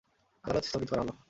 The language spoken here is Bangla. আদালত স্থগিত করা হলো।